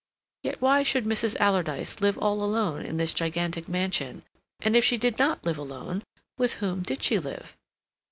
Yet why should Mrs. Alardyce live all alone in this gigantic mansion, and, if she did not live alone, with whom did she live?